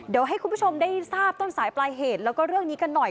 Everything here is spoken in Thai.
เดี๋ยวให้คุณผู้ชมได้ทราบต้นสายปลายเหตุแล้วก็เรื่องนี้กันหน่อย